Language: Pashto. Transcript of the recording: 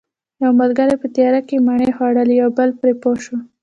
یو ملګری په تیاره کې مڼې خوړلې خو بل پرې پوه شو